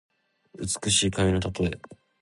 美しい髪のたとえ。